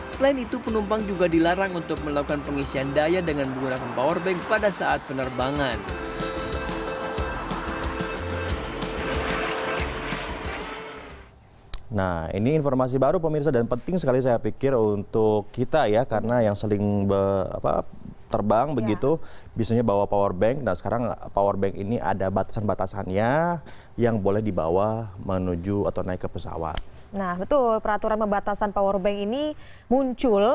selain itu penumpang juga dilarang untuk melakukan pengisian daya dengan menggunakan powerbank pada saat penerbangan